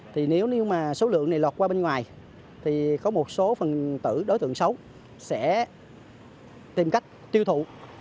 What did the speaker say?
thì nếu mà số lượng này lọt qua bên ngoài thì có một số phần tử đối tượng xấu sẽ tìm cách tiêu thụ